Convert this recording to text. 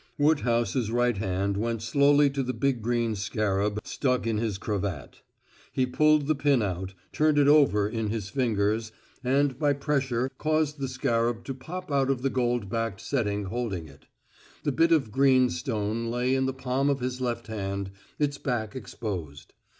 Woodhouse's right hand went slowly to the big green scarab stuck in his cravat. He pulled the pin out, turned it over in his fingers, and by pressure caused the scarab to pop out of the gold backed setting holding it. The bit of green stone lay in the palm of his left hand, its back exposed.